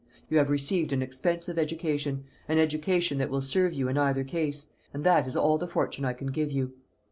You have received an expensive education an education that will serve you in either case; and that is all the fortune I can give you."